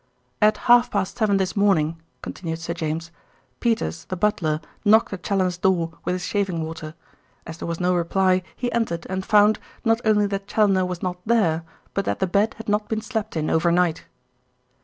"At half past seven this morning," continued Sir James, "Peters, the butler, knocked at Challoner's door with his shaving water. As there was no reply he entered and found, not only that Challoner was not there, but that the bed had not been slept in over night."